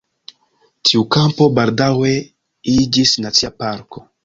Tiu kampo baldaŭe iĝis Nacia parko.